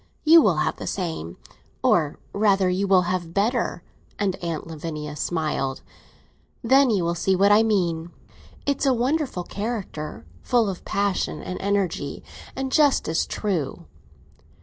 You will have the same—or rather, you will have better!" and Aunt Lavinia smiled. "Then you will see what I mean. It's a wonderful character, full of passion and energy, and just as true!"